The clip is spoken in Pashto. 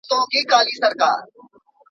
هغه له خپلواکۍ دفاع وکړه